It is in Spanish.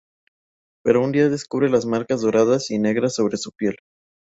Pero un día descubre las marcas doradas y negras sobre su piel.